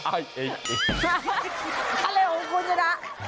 อะไรของคุณจรัส